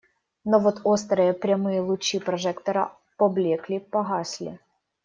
Но вот острые прямые лучи прожектора поблекли, погасли.